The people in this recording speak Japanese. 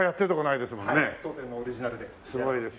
はい当店のオリジナルで。